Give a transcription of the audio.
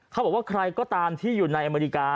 เขาบอกว่าใครก็ตามที่อยู่ในอเมริกา